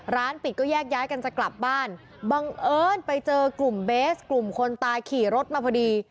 ร้านปิดก็แยกย้ายกันจะกลับบ้านบังเอิญไปเจอกลุ่มเบสกลุ่มคนตายขี่รถมาพอดี